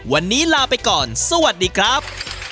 วันนี้ลาไปก่อนสวัสดีครับ